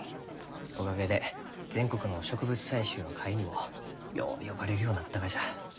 おかげで全国の植物採集の会にもよう呼ばれるようになったがじゃ。